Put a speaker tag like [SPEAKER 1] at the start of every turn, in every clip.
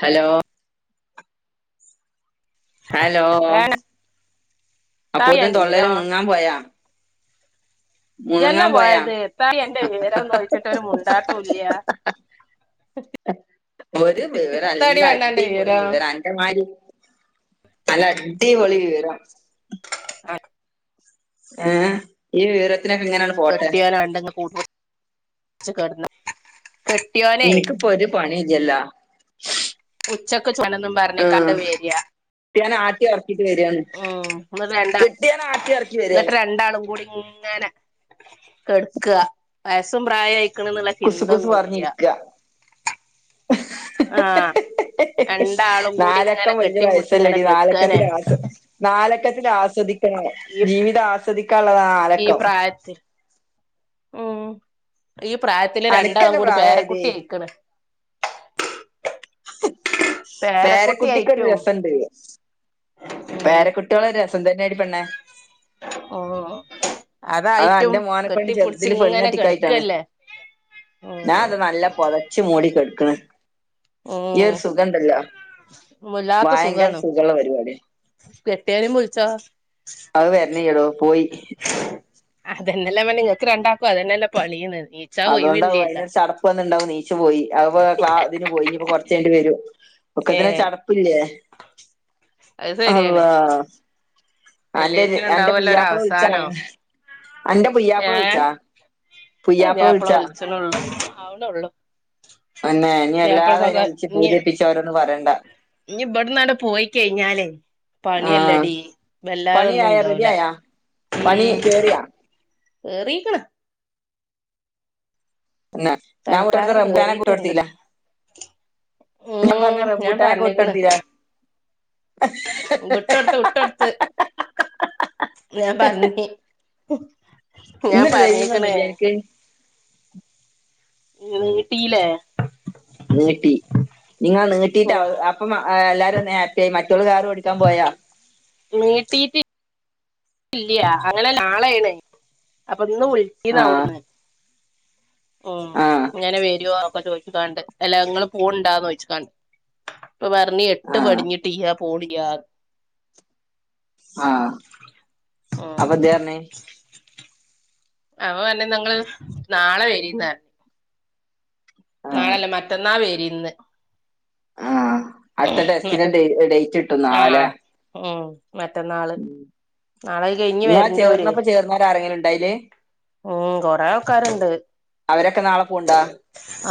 [SPEAKER 1] Hello hello
[SPEAKER 2] വേണ്ട താടി
[SPEAKER 1] അപ്പൊതും
[SPEAKER 2] എന്റെ വിവരോ
[SPEAKER 1] തൊള്ളേല് മുന് ങ്ങാൻ പോയോ മുണ്
[SPEAKER 2] ഇജ്ജന്നെ
[SPEAKER 1] അങ്ങാൻ പോയാ
[SPEAKER 2] പോയത് എത്താടി അന്റെ വിവരം ചോദിച്ചിട്ട് ഒരു മുണ്ടാട്ടം ഇല്ല
[SPEAKER 1] ഒര് വിവരം
[SPEAKER 2] എത്താടി
[SPEAKER 1] അല്ലാ
[SPEAKER 2] വേണ്ട അന്റെ
[SPEAKER 1] അടി പോളി
[SPEAKER 2] വിവരം
[SPEAKER 1] വിവാരാ അൻ്റെ മാതിരി നല്ല അടി പെളി വിവാരം
[SPEAKER 2] ആ
[SPEAKER 1] ഏ ഈ വിവരത്തിനൊക്കെ ഇങ്ങനെട്ട് പോട്ടെ
[SPEAKER 2] [unintelligible] കെട്ടിയോനെ.
[SPEAKER 1] ഇപ്പൊ ഒരു പണി ഇല്ലല്ലോ?
[SPEAKER 2] ഉച്ചക്ക് ചോനൊന്നും പറഞ്ഞകാണ്ടു
[SPEAKER 1] ആഹ്
[SPEAKER 2] വരാ.
[SPEAKER 1] കിട്ടിയാനെ ആട്ടി ഒറക്കീട്ട് വരാണ്
[SPEAKER 2] ഉം. ന്നാ വരണ്ടാ.
[SPEAKER 1] കിട്ടിയാനെ ആട്ടി ഒറക്കി
[SPEAKER 2] എന്നിട്ട്
[SPEAKER 1] വരാണ്
[SPEAKER 2] രണ്ടാളും കൂടി ഇങ്ങനെ. കെട്ക്ക. വയസും പ്രായം ആയിക്ണ്ന്ന്ള്ള
[SPEAKER 1] കുസു കുസു പറഞ്ഞിരിക്ക.
[SPEAKER 2] ആഹ് രണ്ടാളും കൂടി ഇങ്ങനെ
[SPEAKER 1] നാലക്കം വല്ലിയ
[SPEAKER 2] കെട്ടിപ്പിടിച്ച് ഇങ്ങനെ
[SPEAKER 1] വയസല്ലടി
[SPEAKER 2] കെടുക്കാനെ
[SPEAKER 1] നാലക്കത്തിന്റെ ആസ് നാലക്കത്തിൽ ആസ്വദിക്കണം
[SPEAKER 2] ഈ
[SPEAKER 1] ജീവിതം ആസ്വദിക്ക്യാ ഒള്ളതാ നാലക്കം
[SPEAKER 2] [unintelligible] ഉം ഈ പ്രായത്തില് രണ്ടാളം
[SPEAKER 1] അനക്കല്ലേ
[SPEAKER 2] കൂടി
[SPEAKER 1] പ്രായായത്
[SPEAKER 2] പേരക്കുട്ടിയിക്ക്യാ ആണ് പേരക്കുട്ടി
[SPEAKER 1] പേരക്കുട്ടിക്കൊരു
[SPEAKER 2] ആയിട്ടും
[SPEAKER 1] രസണ്ട്.
[SPEAKER 2] ഉം
[SPEAKER 1] പേരക്കുട്ട്യാളൊരു രസം തന്നേടി പെണ്ണെ.
[SPEAKER 2] ഓ.
[SPEAKER 1] അത്
[SPEAKER 2] അതായിട്ടും
[SPEAKER 1] അന്റെ മോനെ കൊണ്ട് ചെറുതിൽ
[SPEAKER 2] കെട്ടിപ്പുടിച്ച്ങ്ങനെ കെട്ക്കല്ലേ?
[SPEAKER 1] ഞാ ഇതാ നല്ല പൊതച്ച് മൂടി ക്കെട്ക്ക്ണ്. ഈയൊരു
[SPEAKER 2] ഉം
[SPEAKER 1] സുഖണ്ടല്ലോ
[SPEAKER 2] വല്ലാത്ത
[SPEAKER 1] ഭയങ്കര
[SPEAKER 2] സുഖാണ്
[SPEAKER 1] സുഖള്ള പരിവാടിയാ
[SPEAKER 2] കെട്ടിയോനും വിളിച്ചോ
[SPEAKER 1] അഹ് വര്ണിയ്യടോ പോയി
[SPEAKER 2] അതന്നല്ലേ പണി. ഇങ്ങക്ക് രണ്ടാക്കും അതന്നെല്ലേ പണീന്ന്
[SPEAKER 1] അതോണ്ടാവും.
[SPEAKER 2] ഒഴിവില്ലല്ലോ
[SPEAKER 1] അയിനൊരു ചടപ്പ് വന്നുണ്ടാവും. നീച്ചു പോയി അഹ്പ്പൊ ക്ല ഇതിന് പോയി ഇഞ്പ്പോ കൊർച്ചയ്ഞ്ഞിട്ട് വെരും. ഒക്കെത്തിനൊരു
[SPEAKER 2] ഏഹ്
[SPEAKER 1] ചടപ്പില്ലേ?
[SPEAKER 2] അത് ശരിയാണ്
[SPEAKER 1] അ്ള്ളാ.
[SPEAKER 2] എല്ലേറ്റിനും
[SPEAKER 1] അന്റെ
[SPEAKER 2] ഉണ്ടാവുമല്ലോ ഒരു
[SPEAKER 1] പുയ്യാപ്പള വിളിച്ചാ?
[SPEAKER 2] അവസാനം
[SPEAKER 1] അന്റെ പുയ്യാപ്പള
[SPEAKER 2] ഏഹ്
[SPEAKER 1] വിളിച്ചാ? പുയ്യാപ്ല വിളിച്ചാ?
[SPEAKER 2] ണൊള്ളു ആവ്ണൊള്ളൂ.
[SPEAKER 1] പെണ്ണ ഇഞ് വെല്ലാതയിനെ വിളിച്ച് പൂതിയെപ്പിച്ചോരൊന്ന് പറയണ്ട.
[SPEAKER 2] ഇഞ്, ഇബട്ന്നാണ്ട് പോയി കഴിഞ്ഞാലെ
[SPEAKER 1] ആ
[SPEAKER 2] പണിയെല്ലെടീ
[SPEAKER 1] പണിയായ റെഡി
[SPEAKER 2] വെല്ലാതൊന്നുണ്ടാവൂല്ല.
[SPEAKER 1] ആയാ പണി
[SPEAKER 2] ഉം.
[SPEAKER 1] കേറിയാ
[SPEAKER 2] കേറീക്ണ്.
[SPEAKER 1] തന്നെ ഞാൻ കൊണ്ടോയൊട്ത്ത
[SPEAKER 2] തൽക്കാലം
[SPEAKER 1] റംബൂട്ടാനൊക്കെ കുട്ട്യ
[SPEAKER 2] കേറിയിട്ടുണ്ട്
[SPEAKER 1] കെട്ത്തിലെ? ഞാൻ പറഞ്ഞ
[SPEAKER 2] ഉം
[SPEAKER 1] റംമ്പൂട്ടാനൊക്കെ വിട്ടൊട്ത്തിലെ?
[SPEAKER 2] വിട്ടൊട്ത്ത്, വിട്ടൊട്ത്ത്. ഞാം പർഞ്ഞി ഞാം
[SPEAKER 1] ഇന്ന് ഡ്രൈവിംഗ്
[SPEAKER 2] പർഞ്ക്ക്ണ്
[SPEAKER 1] ഒന്നുമില്ല എനിക്ക്
[SPEAKER 2] നീട്ടീലേ?
[SPEAKER 1] നീട്ടി. ഇഞ്ഞ്ങ്ങള് നീട്ടീട്ട
[SPEAKER 2] ഉം
[SPEAKER 1] അപ്പൊ എല്ലാരൊന്ന് ഹാപ്പി ആയി. മറ്റോള് കാറോടിക്കാൻ പോയോ?
[SPEAKER 2] നീട്ടീട്ടില്ല്യ അങ്ങനെല്ല ആളായീണ്. അപ്പൊ ഇന്ന്
[SPEAKER 1] ആ
[SPEAKER 2] വിളിച്ചീന്നവ്ടുന്ന്. ഉം.
[SPEAKER 1] ആഹ്
[SPEAKER 2] ഇങ്ങനെ വെരോ ഒക്കെ ചോയിച്ക്കാണ്ട്. അല്ല ഇങ്ങള് പോണ്ടൊന്ന് ചോയിച്ക്കാണ്ട്. അപ്പപർഞ്ഞ് എട്ട്
[SPEAKER 1] ആഹ്
[SPEAKER 2] പഠിഞ്ഞിട്ട്യ്യ്യാ പോണില്ലാന്ന്
[SPEAKER 1] ആഹ
[SPEAKER 2] ഉം
[SPEAKER 1] അപ്പന്തേ പറഞെ.?
[SPEAKER 2] അപറഞ്ഞ് ന്നാ ഇങ്ങള് നാളെ വരീന്നർഞ്
[SPEAKER 1] ആഹ്
[SPEAKER 2] നാളല്ല. മറ്റന്നാ വരി ന്ന്.
[SPEAKER 1] ആഹ്
[SPEAKER 2] മ
[SPEAKER 1] അടുത്ത ടെസ്റ്റിന്റെ
[SPEAKER 2] ന്ന്ട്ട്,
[SPEAKER 1] ഡേ ഡേറ്റ് കിട്ടും നാളെല്ലേ
[SPEAKER 2] ആഹ് ഉം. മറ്റന്നാള് നാളെ അഹ് കഴിഞ്ഞ്
[SPEAKER 1] നിങ്ങളാ
[SPEAKER 2] വെര്ന്റോല്
[SPEAKER 1] ചേർന്നപ്പോ ചേർന്നവര് ആരെങ്കിലും ഇണ്ടായില്
[SPEAKER 2] ഉം. കൊറെ ആൾക്കാര്ണ്ട്.
[SPEAKER 1] അവരൊക്കെ നാളെ പോവ്ണ്ടോ?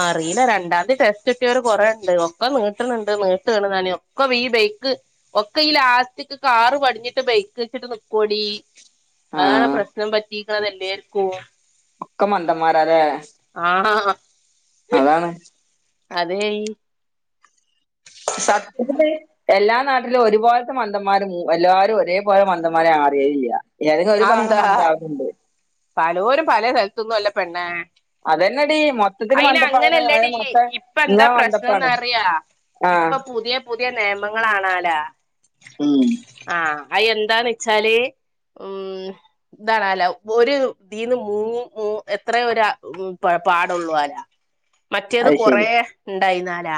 [SPEAKER 2] അറീല രണ്ടാതി ടെസ്റ്റ് കിട്ടിയോര് കൊറേണ്ട്. ഒക്കെ നീട്ട്ണ്‌ണ്ട് നീട്ടാണ് ന്നർഞ്- ഒക്ക ഈ ബൈക്ക്, ഒക്കെ ഈ ലാസ്റ്റിക് കാറ് പടിഞ്ഞിട്ട് ബൈക്ക് വെച്ചിട്ട് നിക്കോടീ. അഹാണ്
[SPEAKER 1] ആഹ്
[SPEAKER 2] പ്രശ്നം പറ്റിക്ണെതെല്ലേർക്കും.
[SPEAKER 1] ഒക്കെ മന്തംമാരാലെ?
[SPEAKER 2] ആണാ.
[SPEAKER 1] അതാണ്
[SPEAKER 2] അതേ ഈ
[SPEAKER 1] സത്യത്തില് എല്ലാ നാട്ടിലും ഒരു പോൽത്തെ മന്ദന്മാരും എല്ലാരും ഒരേപോലെ മന്ദന്മാരെ അറിയലില്യ എന്തെങ്കിലൊരു ഭാഗം
[SPEAKER 2] അതെന്താ
[SPEAKER 1] മന്താവല്ണ്ട്
[SPEAKER 2] പലോരും പല സ്ഥലത്തൊന്നു അല്ല പെണ്ണേ
[SPEAKER 1] അതന്നെടി മൊത്തത്തിൽ മന്ദപ്പാവണ
[SPEAKER 2] അയിനങ്ങനെല്ലടി
[SPEAKER 1] കാര്യം മൊത്തം
[SPEAKER 2] ഇപ്പ എന്താ
[SPEAKER 1] ഇങ്ങളെ മന്ദപ്പാണ്
[SPEAKER 2] പ്രശ്നംന്നറിയൊ?
[SPEAKER 1] ആഹ്
[SPEAKER 2] ഇപ്പം പുതിയ പുതിയ നെയമങ്ങളാണാലാ?
[SPEAKER 1] ഉം
[SPEAKER 2] ആഹ അയെന്താന്നെച്ചാല് ഉം ഇതാണാലോ ഒരു ഇതീന്ന് മൂന്ന് മൂ എത്രയൊരാൾക്ക് പാടൊള്ളോലാ? മറ്റേത്
[SPEAKER 1] അത്
[SPEAKER 2] കൊറേ
[SPEAKER 1] ശരി
[SPEAKER 2] ഇണ്ടായിന്നാലാ.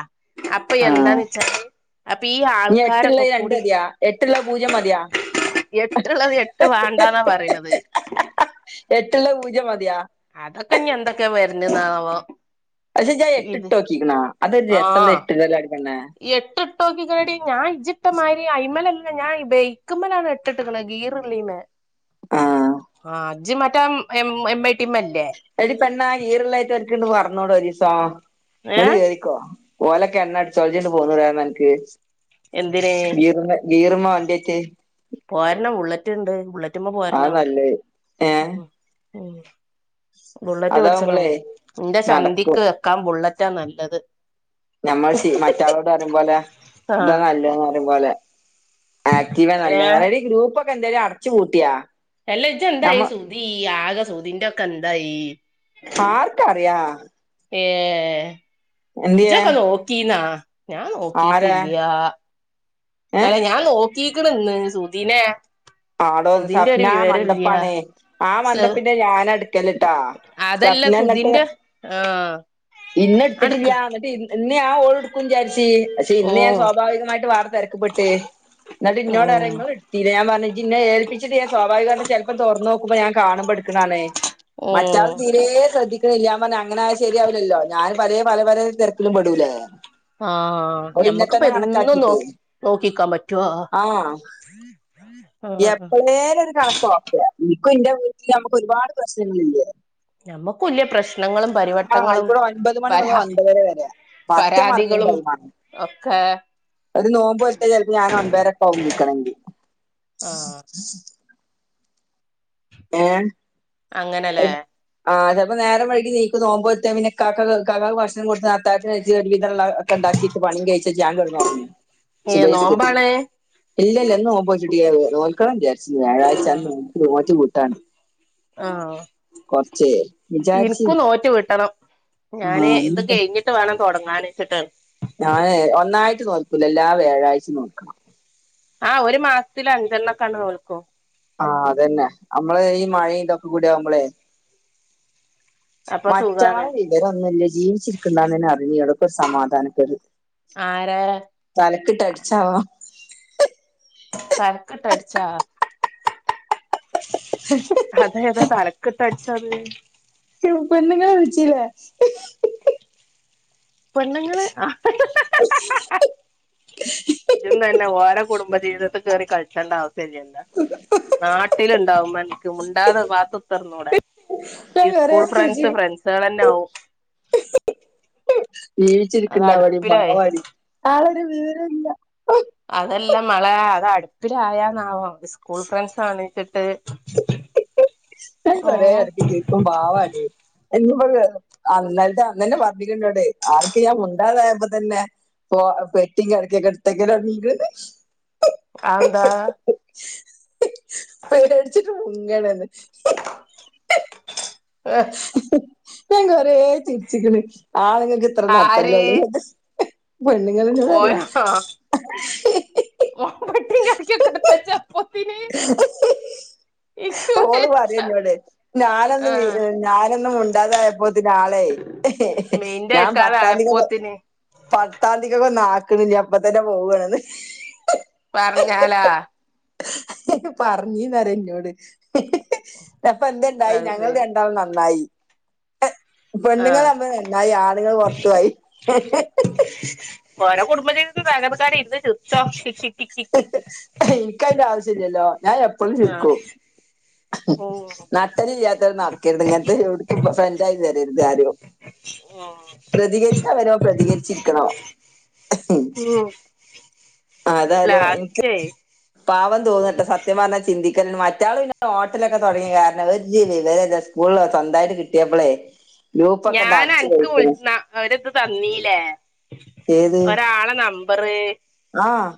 [SPEAKER 2] അപ്പൊ എന്താന്നെച്ചാല്.
[SPEAKER 1] ഇഞ് എട്ട്ള്ളെ രണ്ടതിയൊ എട്ട്ള്ളെ പൂജ്യം മതിയാ?
[SPEAKER 2] എട്ടുള്ളത് എട്ട് വാണ്ടാന്നാ പറിണത്.
[SPEAKER 1] എട്ട്ള്ള പൂജ്യം മത്യാ.
[SPEAKER 2] അതൊക്കെഞെന്തൊക്കെ വര്ന് ന്നാവം.
[SPEAKER 1] അജ് ജാ എട്ട് ട്ടോക്കിക്ക്ണ അതൊരസള്ള എട്ട് ടലടി പെണ്ണെ.
[SPEAKER 2] എട്ട്ട്ടോക്കിണെടി ഞാ ഇജിട്ടമാരി അയ്മലല്ല ഞാ ഇ ബെയ്ക്ക്മ്മലാണ് എ ട്ട്ട്ട്ക്ക്ണ് ഗീർല്ലീമെ.
[SPEAKER 1] [inaudible]
[SPEAKER 2] ആഹ് ജ് മറ്റം എം എം ഐ ടിമ്മല്ലേ
[SPEAKER 1] എടി പെണ്ണാ ഗീറ്ള്ളായ്ട്ട് ഒര്ക്ക്ട് വർണൂടൊരീസോ ങ്ങട്
[SPEAKER 2] ഏഹ്
[SPEAKER 1] കേറിക്കോ. ഓലെക്കെണ്ണട്ച്ചോൾ ജ്ണ്ട് പോന്നൂടേന്നൻക്ക്
[SPEAKER 2] എന്തിന്
[SPEAKER 1] ഗീർന്ന്. ഗീറ്മ്മ വണ്ട്യറ്റെ.
[SPEAKER 2] പോര്ണം വുള്ളറ്റ്ണ്ട് വുള്ളറ്റ്മ്മ
[SPEAKER 1] ആ
[SPEAKER 2] പോര്ണം
[SPEAKER 1] നല്ലത് ഏ
[SPEAKER 2] ഉം. ബുള്ളറ്റ് പട്ച്ചണം
[SPEAKER 1] അതാവുമ്പളേ
[SPEAKER 2] ന്റെ ചന്തിക്ക്
[SPEAKER 1] നടക്കും
[SPEAKER 2] വെക്കാ ബുള്ളറ്റാ നല്ലത്.
[SPEAKER 1] ഞമ്മൾ ശി മറ്റാളോട് അറിം പോലെ താ
[SPEAKER 2] ആഹ്
[SPEAKER 1] നല്ലന്ന് അറിം പോലെ. ആക്റ്റീവ നല്ലന്നറി
[SPEAKER 2] ഏഹ്
[SPEAKER 1] എടി ഗ്രൂപ്പൊക്കെന്തയലു അർച്ചു പൂട്ട്യ.
[SPEAKER 2] എല്ല ഇജന്തായി സുധീ ആകെ സുദിൻ്റൊക്കെന്തായി.
[SPEAKER 1] ആർക്കറ്യാ.
[SPEAKER 2] ഏഹ്
[SPEAKER 1] എന്തിയേ
[SPEAKER 2] ജൊക്ക നോക്കീന്നാ ഞാ
[SPEAKER 1] ആരാ
[SPEAKER 2] നോക്കിട്ടില്ലാ. അല്ല
[SPEAKER 1] ഏഹ്
[SPEAKER 2] ഞാ നോക്കീക്ക്ണ്ന്ന് സുദീനെ.
[SPEAKER 1] ആടോന്ന് സഫ്നാ മന്തപ്പാണേ ആ
[SPEAKER 2] സു
[SPEAKER 1] മന്തപ്പിന്റെ ഞാനട്ക്കല്ട്ടാ.
[SPEAKER 2] അതല്ല സുധിൻ്റെ ആഹ്.
[SPEAKER 1] ഇന്നെട്ത്തിട്ടില്ല
[SPEAKER 2] ആട്ക്ക്
[SPEAKER 1] ന്നട്ട് ഇ ഇന്ന് ഞാ ഓള്ട്ക്കും വിചാരിച്ച്. പക്ഷെ ഇന്ന് ഞാ
[SPEAKER 2] ഓഹ്
[SPEAKER 1] സ്വാഭാവികമായിട്ട് വാർ തെരക്ക്പ്പെട്ട് ന്നട്ട് ഇന്നോടറ്യ
[SPEAKER 2] ഓഹ്
[SPEAKER 1] ങ്ങള്ട്ത്തീലെ ഞാ പർഞ്ഞ്. ജിന്നേ ഏൽപ്പിച്ച്ട്ട് ഞാ സ്വാഭാവികമായിട്ട് ചെൽപ്പം തൊർന്നോക്കുമ്പ ഞാ കാണുമ്പട്ക്ക്ണാണ്. മറ്റാൾ
[SPEAKER 2] ഓഹ്
[SPEAKER 1] തീരേ സ്രദ്ധി ല്ല ഞാപർഞ് അങ്ങനായ ശര്യാവൂലല്ലോ ഞാന് പലേ പല പല തെര്ക്കിലും പെടൂലേ.
[SPEAKER 2] ആഹ് ആഹ്
[SPEAKER 1] ഓള് ഇന്നെ തന്നെ
[SPEAKER 2] ഞമ്മക്ക്പ്പെന്നു നോ
[SPEAKER 1] കണക്കാക്കിട്ട്
[SPEAKER 2] നോക്കിക്കാ പറ്റ്വോ. [inaudible]
[SPEAKER 1] യെപ്പേലൊര് കണക്കോക്കെ ഇൻക്കു ഇന്റെ വീട്ടിലെമക്ക് ഒരുപാട് പ്രശ്നങ്ങളില്ലേ.
[SPEAKER 2] ഞമ്മക്കൂല്ലേ പ്രശ്നങ്ങളും.
[SPEAKER 1] ആ
[SPEAKER 2] പരിവട്ടങ്ങളും
[SPEAKER 1] ആയിക്കൂടെ ഒൻപത് മണി മുതൽ
[SPEAKER 2] പരാ
[SPEAKER 1] ഒൻപതര വരെയാ പറ്റ മറക്കുന്ന
[SPEAKER 2] പരാതികളും
[SPEAKER 1] ടൈമാണ്
[SPEAKER 2] ഒക്കെ.
[SPEAKER 1] ഒരു നോമ്പോൽത്ത ചെൽപ്പ ഞാനൊമ്പേരെക്കാവും ന്നീക്കണങ്കി.
[SPEAKER 2] ആഹ്
[SPEAKER 1] ഏഹ്.
[SPEAKER 2] അങ്ങന ലേ.
[SPEAKER 1] ആഹ് ചൽപ്പ നേരം വഴ്കി നീക്കു നോമ്പോറ്റ പിന്നെ ഇകാക്കക്ക് ഇക്കാക്കാക്ക് ഭക്ഷണം കൊടുത്ത ത്താക് [unintelligible] ഒരുവിതള്ള ഒക്കെണ്ടാക്കിട്ട് പണിം കയ്ച്ച ച്ച് ഞാ കെടന്നൊറങ്ങു.
[SPEAKER 2] ഏഹ് നോമ്പാണ്.
[SPEAKER 1] ഇല്ലല്ല ന്ന് നോമ്പോട്ടില്ല ട്ടിയ നോൽക്കണം വിചാര്നി വ്യാഴാഴ്ച അന്ന്
[SPEAKER 2] ആഹ്
[SPEAKER 1] ന്നോറ്റ് വീട്ടാ
[SPEAKER 2] ആഹ് ഇൻക്കു
[SPEAKER 1] വിചാരിച്ചിരുന്നു
[SPEAKER 2] നോറ്റ് വിട്ടണം. ഞാന്
[SPEAKER 1] ആ
[SPEAKER 2] ത് കയ്ഞ്ഞിട്ട് വേണം തൊട്ങ്ങാന് ച്ച്ട്ടാണ്.
[SPEAKER 1] ഞാന് ഒന്നായ്ട്ട് നോൽക്കൂല എല്ലാ വ്യാഴായ്ചി നോക്കണം.
[SPEAKER 2] ആഹ് ഒരു മാസ്ത്തില് അഞ്ചെണ്ണക്കാണ് നോൽക്കു
[SPEAKER 1] ആഹ് അതന്നെ അമ്മള് ഈ മഴി തൊക്കെകൂട്യാവുമ്പളേ.
[SPEAKER 2] അപ്പൊ സുഖാണ്
[SPEAKER 1] മറ്റങ്ങളെ വിവരൊന്നുല്ല ജീവിച്ചിരിക്ണ്ടാന്ന്ന്നെ അറിഞ്ഞുട ഇപ്പ രു സമാധാനക്കേട്.
[SPEAKER 2] ആരാ.
[SPEAKER 1] തലക്കിട്ടട്ച്ചാവോ.
[SPEAKER 2] തല്ക്കിട്ടട്ച്ചാ. ഹതെതാ തലക്ക്ട്ടട്ച്ചത്.
[SPEAKER 1] യു പെണ്ണ്ങ്ങളെ വിൾച്ചിലെ.
[SPEAKER 2] പെണ്ണുങ്ങള് ഇത് എന്ന് അല്ല ഓര കുടുംബജീവിതത്തി കയറി കളിക്കേണ്ട ആവശ്യം ഇല്ലലോ നാട്ടിലുണ്ടാവും എനക്ക് ഉണ്ടാതെ പാത്തത്തർന്നൂടെ
[SPEAKER 1] ഞാൻ
[SPEAKER 2] ഈ
[SPEAKER 1] കൊറേ
[SPEAKER 2] സ്കൂൾ
[SPEAKER 1] ചിരിച്ച്
[SPEAKER 2] ഫ്രണ്ട്സ് ഫ്രണ്ട്സുകൾന്നെ ആകവും അത്
[SPEAKER 1] ജീവിച്ചിരിക്കണ്ടാ പടി
[SPEAKER 2] അടുപ്പിലായി
[SPEAKER 1] പവാടി ആളൊരു വിവരമല്ല
[SPEAKER 2] അതെല്ലാം മള അത് അടുപ്പിലായന്നാവോ സ്കൂൾ ഫ്രണ്ട്സ്ണച്ചിട്ട്
[SPEAKER 1] ഇഷ്ടം പോലെ ഇടക്ക ജീവിക്കു പാവാല്ല എപ്പൊ അന്നരത്തെ അന്നന്നെ വർണിക്കണ്ടോടെ ആർക്ക് ഞാൻ മുണ്ടാതായ്പ തന്നെ ഇ പെട്ടി കടക്കെടത്തക്കീണ് അറങ്ങിക്കണ്
[SPEAKER 2] ആന്താ
[SPEAKER 1] പേടിച്ചിട്ട് മുങ്ങണന്ന്
[SPEAKER 2] ആഹ്
[SPEAKER 1] ഞാ കൊറേ ചിരിച്ചിക്കണ് ആണ്ങ്ങക്ക് ഇത്ര
[SPEAKER 2] ആര്
[SPEAKER 1] നട്ടല്ലള്ളു പെണ്ണുങ്ങളന്നൊട് പറയാ
[SPEAKER 2] പെട്ടി കെടക്കേ ഒക്കേ എടുത്ത് വെചൊ പോയിനെ
[SPEAKER 1] ഓള് പറയ എന്നേട് ഞാനന്ന്
[SPEAKER 2] ആ
[SPEAKER 1] ഞാനൊന്നും മുണ്ടാതായപ്പോത്തിന് ആളെ
[SPEAKER 2] മീന്റെ
[SPEAKER 1] ഞാൻ
[SPEAKER 2] വെക്കാതെ
[SPEAKER 1] പത്താം തിക്ക
[SPEAKER 2] ആയപ്പോത്തിന്
[SPEAKER 1] പത്താന്തിക്കൊക്കെ ഒന്ന ആക്കണില്ല അപ്പ തന്നെ പോവണന്ന്
[SPEAKER 2] പറഞ്ഞാലാ
[SPEAKER 1] പറഞ്ഞീന്ന് അറി എന്നോട് അപ്പൊ എന്തണ്ടായി
[SPEAKER 2] അത്
[SPEAKER 1] ഞങ്ങൾ
[SPEAKER 2] ശരി
[SPEAKER 1] രണ്ടാളും നന്നായി പെണ്ണുങ്ങൾ
[SPEAKER 2] ആഹ്
[SPEAKER 1] നമ്മ നന്നായി ആളുങ്ങൾ പുറത്തു ആയി
[SPEAKER 2] വേറെ കുടുംബജീവി വേനക്കാെ ഇന്ന് ചുക്ഷിക്ക [unintelligible]
[SPEAKER 1] എനിക്ക അതിന്റെ ആവശ്യ ഇല്ലല്ലോ ഞാൻ എപ്പോഴും ചിർക്കും
[SPEAKER 2] ഓ ഉം
[SPEAKER 1] നട്ടല്ല്ഇല്ലാത്ത നടക്കരുത് ഇങ്ങനത്തെ എവിടുക്കുമ്പ ഫ്രണ്ട് തരരുത് ആരോ
[SPEAKER 2] ആഹ്
[SPEAKER 1] പ്രതികരിക്കാൻ വരോ പ്രതികരിച്ചിരിക്കണോ
[SPEAKER 2] ഉം
[SPEAKER 1] അതായാലോ എനിക്ക്
[SPEAKER 2] ലാസ്റ്റേ
[SPEAKER 1] പാവം തോന്നട്ടെ സത്യം പറഞ്ഞാ ചിന്തിക്കല മറ്റാള പിന്നെ ഹോട്ടലൊക്കെ തുടങ്ങി കാരണം ഇവര് നിലയുള്ള സ്കൂള് സ്വന്തമായിട്ട് കിട്ടിയപ്പോളേ
[SPEAKER 2] ഞാൻ അനക്ക് വിളുന്ന ഒരിത് തന്നീല്ലേ
[SPEAKER 1] ഏത്
[SPEAKER 2] ഒരാളെ ന മ്പറ്
[SPEAKER 1] ആഹ്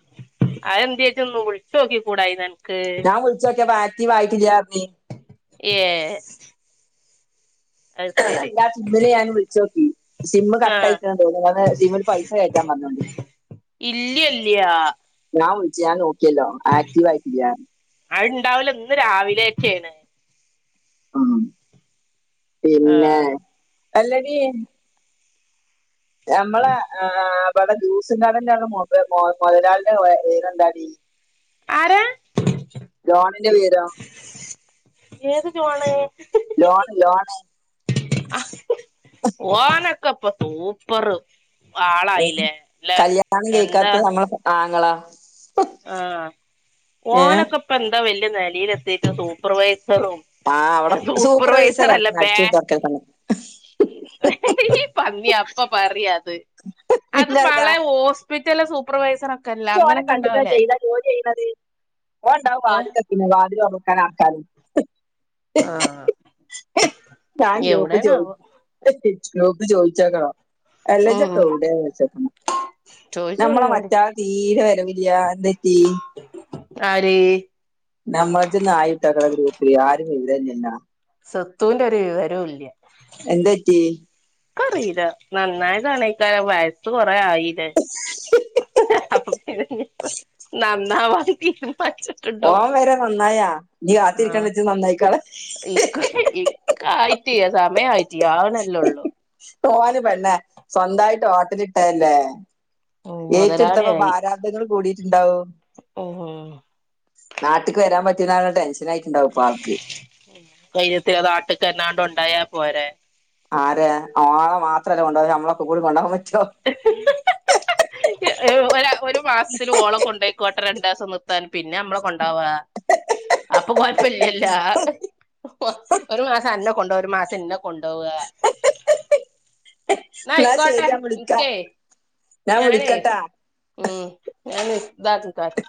[SPEAKER 2] അതെന്ത് ചച്ച ഒന്ന് വിളിച്ചു നോക്കി കൂടായോ നിനക്ക്
[SPEAKER 1] ഞാൻ വിളിച്ചൊക്കെ അക്ടിവ് ആയിട്ടില്ല എന്ന് പറഞ്ഞ്
[SPEAKER 2] ഏഹ് ശരി
[SPEAKER 1] എല്ലാ സിമ്മിലെ ഞാൻ വിളിച്ചു നോക്കി സിമ്മ്
[SPEAKER 2] ആ
[SPEAKER 1] കട്ട് അയക്കണ തോന്നുന്നു അന്ന് സിമ്മിൽ പൈസ കയറ്റാൻ പറഞ്ഞോണ്ട്
[SPEAKER 2] ഇല്ല ഇല്ലയ
[SPEAKER 1] ഞാൻ വിളിച്ചു ഞാൻ നോക്കിയല്ലോ ആക്റ്റീവ് ആയിട്ടില്ല
[SPEAKER 2] ആയിട്ടുണ്ടാവില്ല ഇന്ന് രാവിലെ ചെയ്യണെ
[SPEAKER 1] ഉം
[SPEAKER 2] ആ
[SPEAKER 1] പിന്നെ അല്ലടി ഞമ്മളെ ആഹ് ഇവിടെ ജ്യൂസ് ഉണ്ടാക്കുന്നന്റെ മൊ മൊതലാളിടെ പേര് എന്താടി
[SPEAKER 2] ആരാ
[SPEAKER 1] ജോണിന്റെ പേരോ
[SPEAKER 2] ഏതു ജോണ്
[SPEAKER 1] ജോണ് ജോണ്
[SPEAKER 2] ഓനക്കെ ഇപ്പൊ ത്തോ സൂപ്പറ് ആളായില്ലേ അല്ലെ
[SPEAKER 1] കല്യാണം
[SPEAKER 2] എന്താ
[SPEAKER 1] കഴിക്കാത്ത നമ്മളെ ആങ്ങള
[SPEAKER 2] ആഹ്
[SPEAKER 1] ഏഹ്
[SPEAKER 2] ഓനൊക്കെ ഇപ്പ എന്താ വലിയ നിലയിലെത്തിട്ട് സൂപ്പർവൈസറും
[SPEAKER 1] ആഹ് അവിടെ
[SPEAKER 2] അല്ല
[SPEAKER 1] സൂപ്പർവൈസർ
[SPEAKER 2] അല്ല
[SPEAKER 1] ആന്നു
[SPEAKER 2] ബേ
[SPEAKER 1] അടിച്ചുവച്ചേക്കുന്നെ
[SPEAKER 2] ഈ പന്നി അപ്പ പറിയാത് അത്
[SPEAKER 1] പിന്നെതാ
[SPEAKER 2] വളെ ഓസ് ഇപ്പോഴത്തെയെല്ലാം സൂപ്പർവൈസർ ഒക്കെഅല്ലെ അങ്ങനെക്കണ്ട്
[SPEAKER 1] ന്താ ചെയ്ത ജോലി ചെയ്യുന്നത് ഓൻ ഉണ്ടാവും
[SPEAKER 2] ഏ
[SPEAKER 1] വാതിക്കൽ പിന്നെ വാതില് തു റക്കാൻ ആൾക്കാരും
[SPEAKER 2] ആഹ്
[SPEAKER 1] ഞാൻ ഗ്രൂപ്പി ചോദി
[SPEAKER 2] എവിടെണാവോ
[SPEAKER 1] ഗ്രൂപ്പ് ചോദിച്ചേക്കണോ അല്ലെ ചക്ക
[SPEAKER 2] ഉം
[SPEAKER 1] എവിടെയന്ന് വെച്ചക്ക
[SPEAKER 2] [inaudible]
[SPEAKER 1] നമ്മളെ മച്ചാ തീരെ വരവില്ലിയ എന്ത് പറ്റീ
[SPEAKER 2] ആര്
[SPEAKER 1] നമ്മള് ചെന്ന് ആയി ഇട്ടേക്കണ ഗ്രൂപ്പില് ആരും ഇല്ലാഞ്ഞെന്ന
[SPEAKER 2] സ്വത്തുവിന്റെ ഒരു വിവരവും ഇല്ല
[SPEAKER 1] എന്ത് പറ്റി
[SPEAKER 2] അറിയില്ല നന്നായിതാണ് [unintelligible] സ്വത്ത് കുറെ ആയീലെ അപ്പൊ പിന്നെ ഇനീപ്പോ നന്നാവാൻ ഇനിയും മച്ചാ
[SPEAKER 1] ഓൻ വരെ നന്നായാ നീ
[SPEAKER 2] ആഹ്
[SPEAKER 1] കാത്തിരിക്കണ്ടന്നാച്ച നന്നായിക്കോളാൻ
[SPEAKER 2] ഇക്ക ഇക്ക ആയിട്ടീ സമയം ആയിട്ടീ ആവുന്നല്ലേ ഉള്ളു
[SPEAKER 1] ഓന് പെണ്ണെ സ്വന്തായിട്ട് ഓട്ടലിട്ടയല്ലേ
[SPEAKER 2] ഉം
[SPEAKER 1] ഏറ്റെടുത്തപ്പോ പ്രാരാബദ്ധങ്ങൾ കൂടിയിട്ടുണ്ടാവും
[SPEAKER 2] ഓഹോ
[SPEAKER 1] നാട്ടിക്ക് വരാൻ പറ്റുലാന്ന ടെൻഷൻായിട്ടുണ്ടാവും ഇപ്പൊ ആൾക്ക്
[SPEAKER 2] കൈ എത്തിയ നാട്ടുക്ക് എന്നാണ്ട് ഒണ്ടായാ പോരെ
[SPEAKER 1] ആരാ ഓളെ മാത്രല്ലേ കൊണ്ട നമ്മളൊക്കെ കൂടി കൊണ്ടോകാൻ പറ്റോ
[SPEAKER 2] ഒര് ഒരു മാസത്തില് ഓളെ കൊണ്ടു പോക്കോട്ടെ രണ്ട് ദിവസം നിർ ത്താൻ പിന്നെ നമ്മളെ കൊണ്ട് പോവാ അപ്പൊ കൊഴപ്പമില്ലല്ലോ ഒ ഒരു മാസം അന്നെ കൊണ്ടുപോവാ ഒരു മാസം എന്നെ കൊണ്ടുപോവുക ന്നാ
[SPEAKER 1] എന്നാ ശരി
[SPEAKER 2] ആയിക്കോട്ടെ
[SPEAKER 1] ഞാൻ വിളിക്കാം
[SPEAKER 2] എനിക്കേ
[SPEAKER 1] ഞാൻ
[SPEAKER 2] ഞാനേ
[SPEAKER 1] വിളിക്കട്ടാ
[SPEAKER 2] ഉം ഞാൻ നിസ്താ ചെയ്താട്ടെ